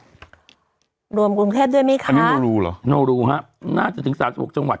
รวมกรุงเทพด้วยไหมคะอันนี้โนรูเหรอโนรูฮะน่าจะถึงสามสิบหกจังหวัด